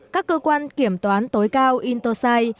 các cơ quan kiểm toán tối cao intosai